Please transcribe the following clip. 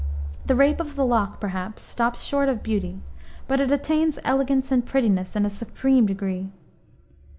The Rape of the Lock, perhaps, stops short of beauty, but it attains elegance and prettiness in a supreme degree.